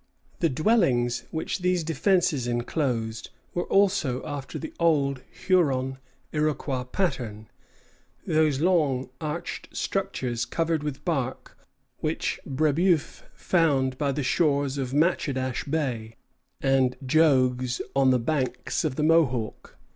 The dwellings which these defences enclosed were also after the old Huron Iroquois pattern, those long arched structures covered with bark which Brébeuf found by the shores of Matchedash Bay, and Jogues on the banks of the Mohawk.